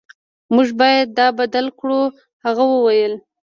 موږ باید دا بدل کړو هغه وویل